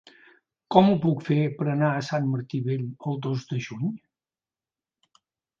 Com ho puc fer per anar a Sant Martí Vell el dos de juny?